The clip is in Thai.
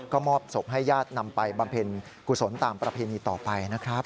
ก็มอบศพให้ญาตินำไปบำเพ็ญกุศลตามประเพณีต่อไปนะครับ